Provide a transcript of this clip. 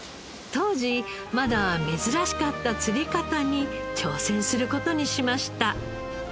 当時まだ珍しかった釣り方に挑戦する事にしました。